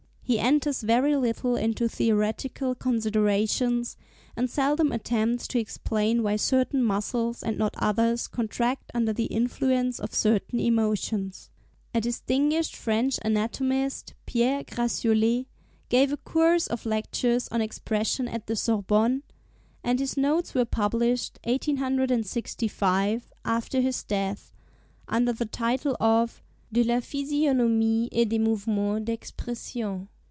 He enters very little into theoretical considerations, and seldom attempts to explain why certain muscles and not others contract under the influence of certain emotions. A distinguished French anatomist, Pierre Gratiolet, gave a course of lectures on Expression at the Sorbonne, and his notes were published (1865) after his death, under the title of 'De la Physionomie et des Mouvements d'Expression.